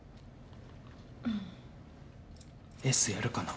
うんエースやるかな？